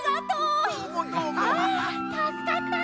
あたすかった！